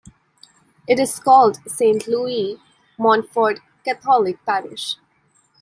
It is called Saint Louis Montfort Catholic parish.